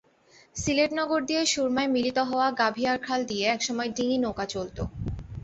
সিলেট নগর দিয়ে সুরমায় মিলিত হওয়া গাভীয়ারখাল দিয়ে একসময় ডিঙি নৌকা চলত।